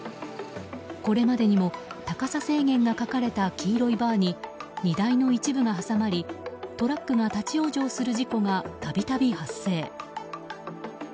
これまでにも高さ制限が書かれた黄色いバーに荷台の一部が挟まりトラックが立ち往生する事故が度々発生。